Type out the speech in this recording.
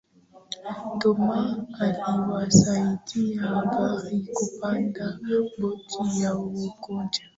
thomas aliwasaidia abiria kupanda boti ya uokoaji